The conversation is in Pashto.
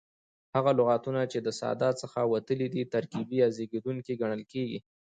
هغه لغتونه، چي د ساده څخه وتلي دي ترکیبي یا زېږېدونکي کڼل کیږي.